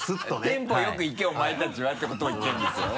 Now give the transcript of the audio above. テンポよくいけお前たちはってことを言ってるんですよ？